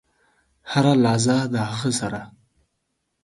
هره لحظه د هغه سره .